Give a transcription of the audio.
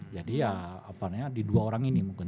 jadi ya di dua orang ini mungkin